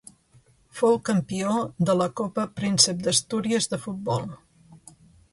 Fou campió de la Copa Príncep d'Astúries de futbol.